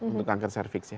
untuk kanker cervix ya